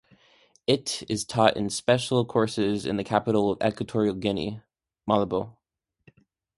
It is taught in special courses in the capital of Equatorial Guinea, Malabo.